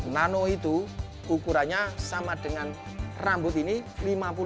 nano itu ukurannya sama dengan rambut ini lima puluh